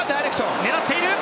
狙っている！